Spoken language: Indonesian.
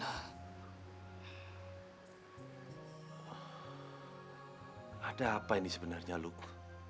ada apa ini sebenarnya luku